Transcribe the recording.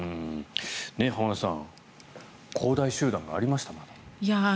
浜田さん恒大集団がありました、まだ。